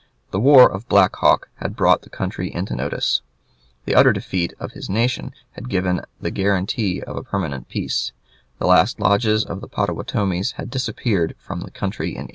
The war of Black Hawk had brought the country into notice; the utter defeat of his nation had given the guarantee of a permanent peace; the last lodges of the Pottawatomies had disappeared from the country in 1833.